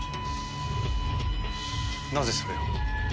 なぜそれを？